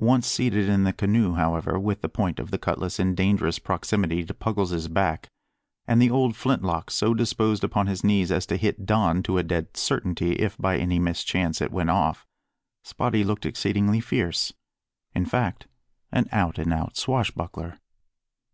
Once seated in the canoe, however, with the point of the cutlass in dangerous proximity to Puggles's back, and the old flint lock so disposed upon his knees as to hit Don to a dead certainty if by any mischance it went off, Spottie looked exceedingly fierce in fact, an out and out swashbuckler.